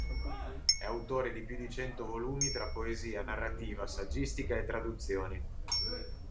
È autore di più di cento volumi, tra poesia, narrativa, saggistica e traduzioni.